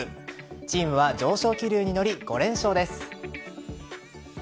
チームは上昇気流に乗り５連勝です。